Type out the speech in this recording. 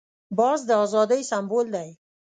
باز د آزادۍ سمبول دی